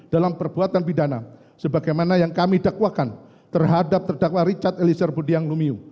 dalam perbuatan pidana sebagaimana yang kami dakwakan terhadap terdakwa richard eliezer budiang lumiu